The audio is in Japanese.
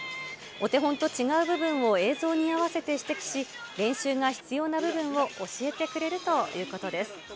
お手本と違う部分を映像に合わせて指摘し、練習が必要な部分を教えてくれるということです。